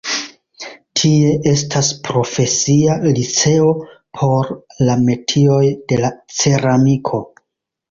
Tie estas profesia liceo por la metioj de la ceramiko.